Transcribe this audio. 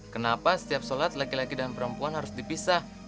kenapa setiap sholat laki laki dan perempuan harus dipisah